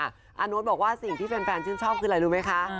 อาโน๊ตบอกว่าสิ่งที่แฟนชื่นชอบคืออะไรรู้ไหมคะ